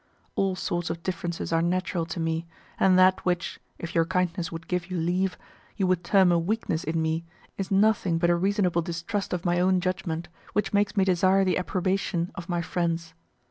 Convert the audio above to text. All sorts of differences are natural to me, and that which (if your kindness would give you leave) you would term a weakness in me is nothing but a reasonable distrust of my own judgment, which makes me desire the approbation of my friends.